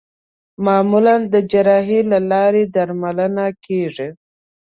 معمولا د جراحۍ له لارې درملنه کېږي.